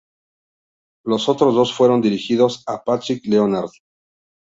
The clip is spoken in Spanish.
Los otros dos fueron dirigidos a Patrick Leonard.